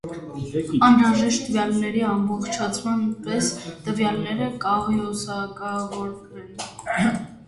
Անհրաժեշտ տվյալների ամբողջացման պես տվյալները կաղյուսակավորվեն։